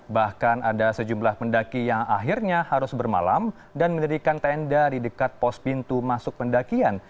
bahkan ada sejumlah pendaki yang akhirnya harus bermalam dan mendirikan tenda di dekat pos pintu masuk pendakian